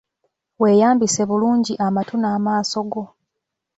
Weeyambise bulungi amatu n'amaaso go.